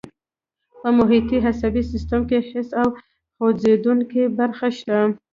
په محیطي عصبي سیستم کې حسي او خوځېدونکي برخې شته.